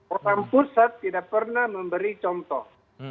orang pusat tidak pernah memberi contoh